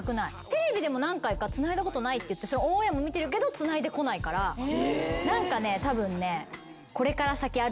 テレビでも何回かつないだことないって言ってそれオンエアも見てるけどつないでこないから何かねたぶんね。